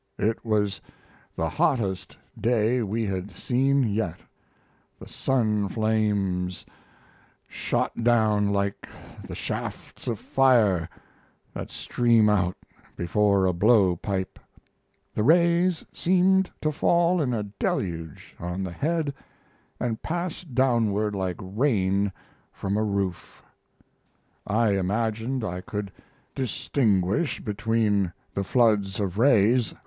It was the hottest day we had seen yet the sun flames shot down like the shafts of fire that stream out before a blow pipe; the rays seemed to fall in a deluge on the head and pass downward like rain from a roof. I imagined I could distinguish between the floods of rays.